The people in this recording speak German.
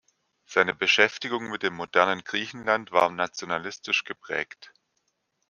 Seine Beschäftigung mit dem modernen Griechenland war nationalistisch geprägt.